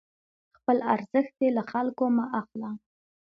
خپل ارزښت دې له خلکو مه اخله،